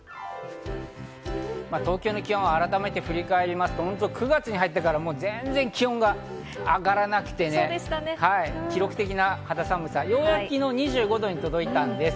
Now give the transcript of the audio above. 東京の気温、改めて振り返りますと、９月に入ってから、全然気温が上がらなくてね、記録的な肌寒さ、ようやく昨日２５度に届いたんです。